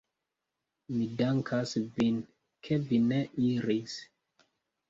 Mi dankas vin, ke vi ne iris!